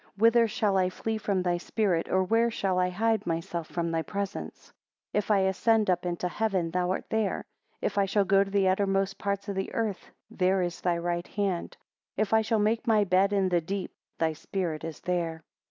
Whither shall I flee from thy spirit, or where shall I hide myself from thy presence? 4 If I ascend up into heaven, thou art there; if I shall go to the uttermost parts of the earth, there is thy right hand: if I shall make my bed in the deep, thy Spirit is there.